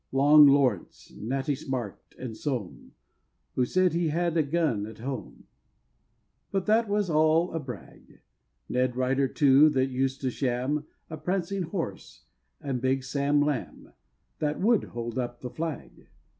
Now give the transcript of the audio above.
Long Lawrence, Natty Smart, and Soame, Who said he had a gun at home, But that was all a brag; Ned Ryder, too, that used to sham A prancing horse, and big Sam Lamb That would hold up the flag!